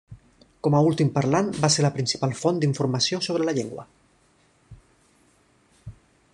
Com a últim parlant, va ser la principal font d'informació sobre la llengua.